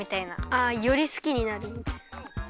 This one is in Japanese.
あよりすきになるみたいな。